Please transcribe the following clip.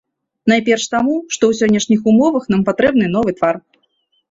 Найперш таму, што ў сённяшніх умовах нам патрэбны новы твар.